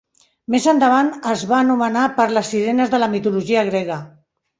Més endavant es va anomenar per les sirenes de la mitologia grega.